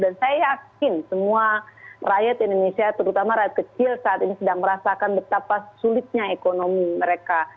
dan saya yakin semua rakyat indonesia terutama rakyat kecil saat ini sedang merasakan betapa sulitnya ekonomi mereka